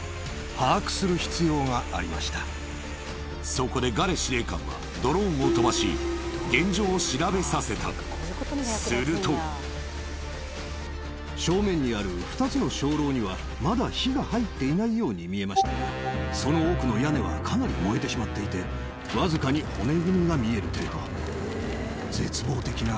そこでガレ司令官はドローンを飛ばし現状を調べさせたすると正面にある２つの鐘楼にはまだ火が入っていないように見えましたがその奥の屋根はかなり燃えてしまっていてわずかに骨組みが見える程度。